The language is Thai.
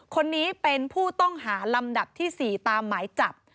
คนนี้เป็นผู้ต้องหาลำดับที่๔ตามหมายจับ